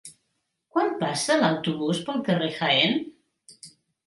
Quan passa l'autobús pel carrer Jaén?